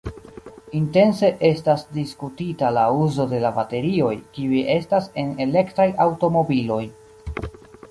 Intense estas diskutita la uzo de la baterioj, kiuj estas en elektraj aŭtomobiloj.